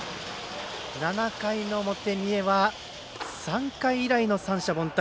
７回の表、三重は３回以来の三者凡退。